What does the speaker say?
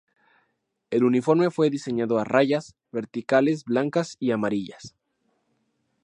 El uniforme fue diseñado a rayas verticales blancas y amarillas.